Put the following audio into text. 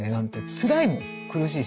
つらいもん苦しいし。